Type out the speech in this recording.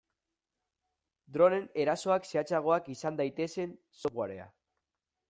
Droneen erasoak zehatzagoak izan daitezen softwarea.